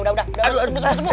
aduh aduh aduh